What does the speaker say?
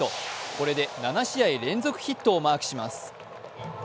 これで７試合連続ヒットをマークします。